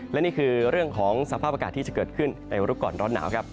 และนี่คือเรื่องของสภาพอากาศที่จะเกิดขึ้นในรูปก่อนร้อนหนาวครับ